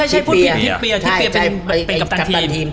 ทิปเปียเป็นกัปตันทีม